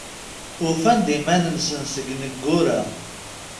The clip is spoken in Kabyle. Ufan-d iman-nsen seg yineggura.